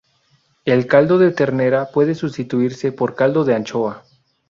El caldo de ternera puede sustituirse por caldo de anchoa.